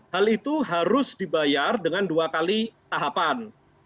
hal itu harus dibayar dengan dua kali tahapan